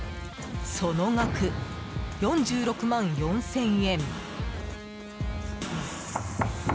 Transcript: その額、４６万４０００円。